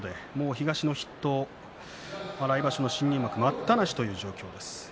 東の筆頭、来場所の新入幕待ったなしという状況です。